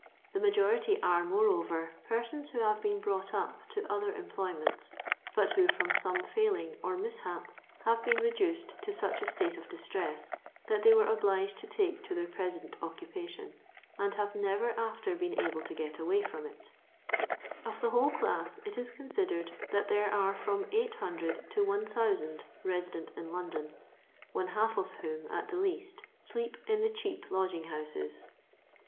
The majority are, moreover, persons who have been brought up to other em ployments, but who from some &iling or mishap have been reduced to such a state of distress that they were obliged to take to their present occupa tion, add have never after been able to get away from it Of the whole class it is considered that there are from 800 to 1000 resident in London, one half of whom, at the least, sleep in the cheap lodging houses.